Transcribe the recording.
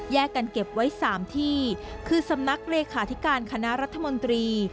กันเก็บไว้๓ที่คือสำนักเลขาธิการคณะรัฐมนตรี